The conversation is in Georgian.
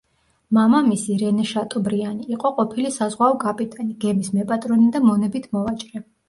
მამამისი, რენე შატობრიანი, იყო ყოფილი საზღვაო კაპიტანი, გემის მეპატრონე და მონებით მოვაჭრე.